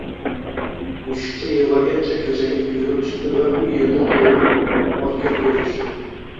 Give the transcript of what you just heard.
Mushukcha yigʻlagancha koʻchaga yugurib chiqdi va u yerda toʻriq otga koʻzi tushdi